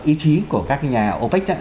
ý chí của các nhà opec